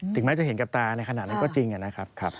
แม้จะเห็นกับตาในขณะนั้นก็จริงนะครับ